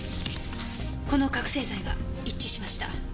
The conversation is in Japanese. この覚せい剤が一致しました。